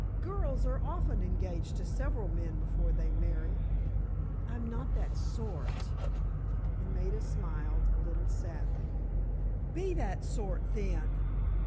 Girls are often engaged to several men before they marry." "I'm not that sort," and Maida smiled a little sadly. "Be that sort, then."